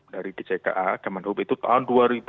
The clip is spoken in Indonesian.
dari dcka kemenhub itu tahun